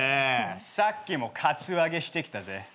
さっきもカツアゲしてきたぜ。